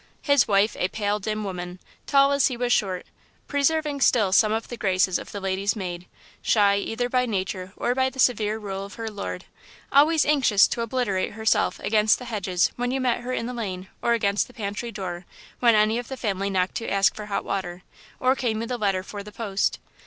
His wife a pale, dim woman, tall as he was short, preserving still some of the graces of the lady's maid, shy either by nature or by the severe rule of her lord, always anxious to obliterate herself against the hedges when you met her in the lane or against the pantry door when any of the family knocked to ask for hot water, or came with a letter for the post.